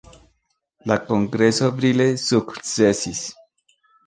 La Kongreso brile sukcesis.